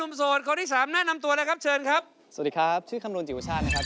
ไม่เห็นเลยขอดูรอยสักหน่อยได้ไหมครับ